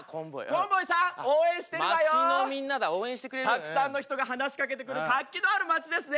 たくさんの人が話しかけてくる活気のある街ですね。